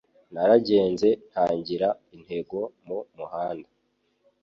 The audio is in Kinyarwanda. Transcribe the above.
Naragenze ntagira intego mu muhanda.